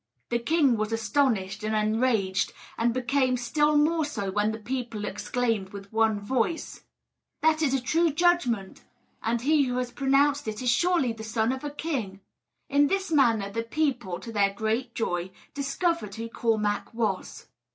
The king was astonished and enraged, and became still more so when the people exclaimed with one voice: "That is a true judgment, and he who has pronounced it is surely the son of a king!" In this manner the people, to their great joy, discovered who Cormac was.